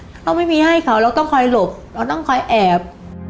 ถ้าไม่มีให้เขาเราต้องคอยหลบเราต้องคอยแอบ